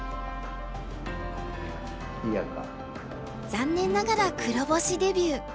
残念ながら黒星デビュー。